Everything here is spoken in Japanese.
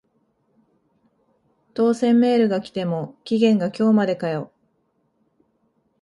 当選メール来ても期限が今日までかよ